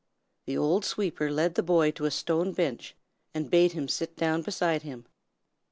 The old sweeper led the boy to a stone bench, and bade him sit down beside him.